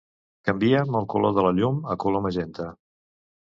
Canvia'm el color de la llum a color magenta.